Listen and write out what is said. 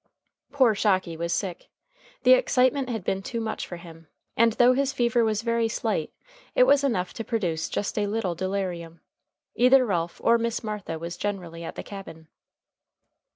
Poor Shocky was sick. The excitement had been too much for him, and though his fever was very slight it was enough to produce just a little delirium. Either Ralph or Miss Martha was generally at the cabin.